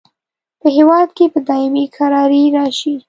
په هیواد کې به دایمي کراري راشي.